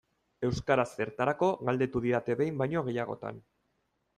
Euskara zertarako galdetu didate behin baino gehiagotan.